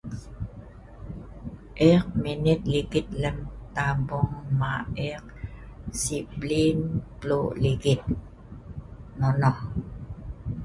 eek maenet ligit ta'bong ma' eek, si bliin pelu' ligit nonoh